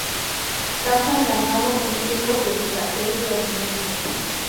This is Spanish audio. Cazan ganado en tiempos de escasez de alimentos.